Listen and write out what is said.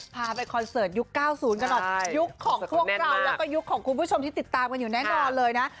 พาไปคอนเสิร์ตยุค๙๐กันหน่อยยุคของพวกเราแล้วก็ยุคของคุณผู้ชมที่ติดตามกันอยู่แน่นอนเลยนะ